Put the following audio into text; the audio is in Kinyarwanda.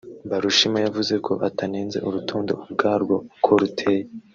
Mbarushima yavuze ko atanenze urutonde ubwarwo uko ruteye